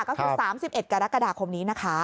ก็คือ๓๑กรกฎาคมนี้นะคะ